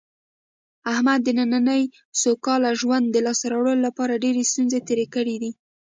احمد د نننۍ سوکاله ژوند د لاسته راوړلو لپاره ډېرې ستونزې تېرې کړې دي.